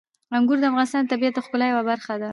انګور د افغانستان د طبیعت د ښکلا یوه برخه ده.